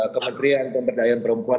kementerian pemberdayaan perempuan